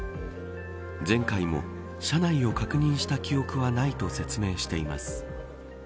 前回も車内を確認した記憶はないと説明しています。